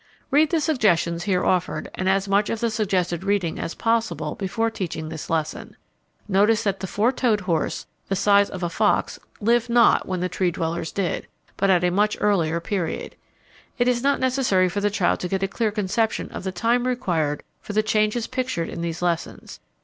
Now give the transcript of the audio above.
Read the suggestions here offered and as much of the suggested reading as possible before teaching this lesson. Notice that the four toed horse the size of a fox lived not when the Tree dwellers did, but at a much earlier period. It is not necessary for the child to get a clear conception of the time required for the changes pictured in these lessons.